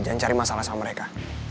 jangan cari masalah sama mereka